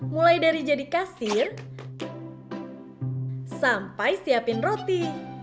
mulai dari jadi kasir sampai siapin roti